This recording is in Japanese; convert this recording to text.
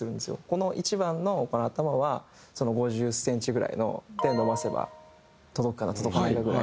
この１番の頭は５０センチぐらいの手を伸ばせば届くかな届かないなぐらいな。